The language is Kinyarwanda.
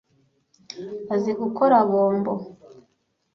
Azi gukora bombo.